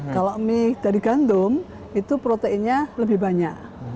kalau mie dari gandum itu proteinnya lebih banyak